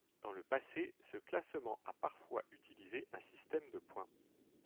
Dans le passé, ce classement a parfois utilisé un système de points.